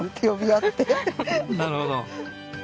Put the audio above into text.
なるほど。